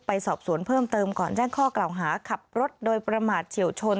สอบสวนเพิ่มเติมก่อนแจ้งข้อกล่าวหาขับรถโดยประมาทเฉียวชน